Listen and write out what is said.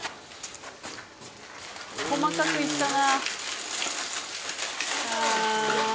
細かくいったなあ